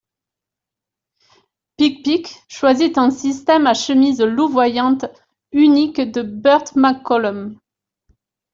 Pic-Pic choisit un système à chemise louvoyante unique de Burt-McCollum.